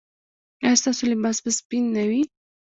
ایا ستاسو لباس به سپین نه وي؟